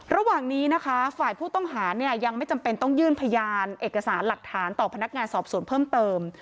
ระหว่างนี้นะคะฝ่ายผู้ต้องหาเนี่ยยังไม่จำเป็นต้องยื่นพยานเอกสารหลักฐานต่อพนักงานสอบสวนเพิ่มเติม